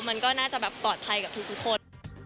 มันก็น่าจะแบบปลอดภัยกับทุกคน